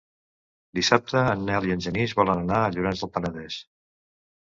Dissabte en Nel i en Genís volen anar a Llorenç del Penedès.